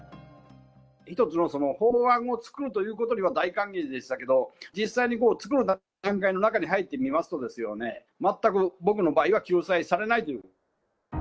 一つの法案を作るということには大歓迎でしたけれども、実際に作る段階の中に入ってみますと、全く僕の場合は救済されないという。